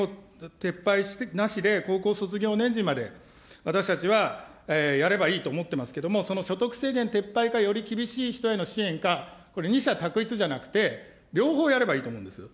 ですから、何を言いたいかといえば、所得制限を撤廃して、なしで、高校卒業年次まで私たちはやればいいと思ってますけども、その所得制限撤廃か、より厳しい人への支援か、これ二者択一じゃなくて、両方やればいいと思うんです。